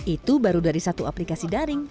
itu baru dari satu aplikasi daring